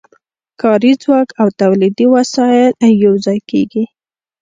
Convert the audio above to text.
کاري ځواک او تولیدي وسایل یوځای کېږي